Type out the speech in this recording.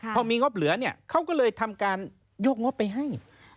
พอมีงบเหลือเนี่ยเขาก็เลยทำการยกงบไปให้